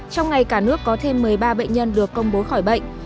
trong ngày cả nước có thêm một mươi ba bệnh nhân được công bố khỏi bệnh